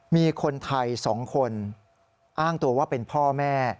มีคนไทย๒คนอ้างตัวว่าเป็นพ่อแม่